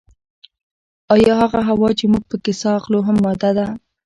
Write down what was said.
ایا هغه هوا چې موږ پکې ساه اخلو هم ماده ده